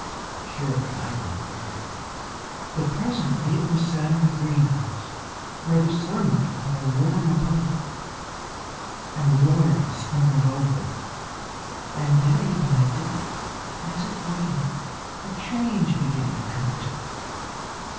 Surely I am a failure." But presently it was set in a greenhouse, where the sunlight fell warm upon it, and water was sprinkled over it, and day by day as it waited, a change began to come to it.